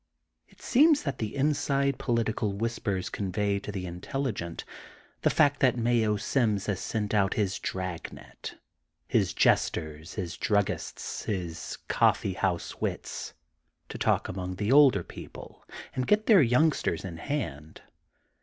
It seems that the inside politi cal whispers convey to the intelligent the fact that Mayo Sims has sent out his dragnet: — his jesters, his druggists, his coffee house wits, to talk among the older people and get their youngsters in hand.